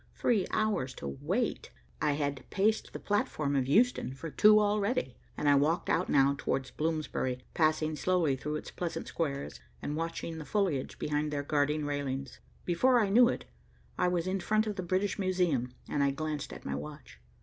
Three hours to wait! I had paced the platform of Euston for two already, and I walked out now towards Bloomsbury, passing slowly through its pleasant squares, and watching the foliage behind their guarding railings. Before I knew it, I was in front of the British Museum, and I glanced at my watch.